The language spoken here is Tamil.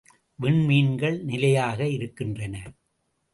விண் மீன்கள் நிலையாக இருக்கின்றன.